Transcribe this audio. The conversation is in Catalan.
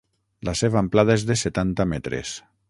La seva amplada és de setanta metres.